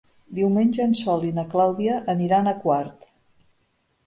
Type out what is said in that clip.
Diumenge en Sol i na Clàudia aniran a Quart.